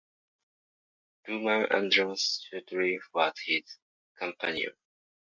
Luman Andros Shurtliff was his companion.